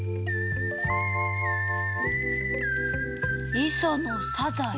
「いそのサザエ」？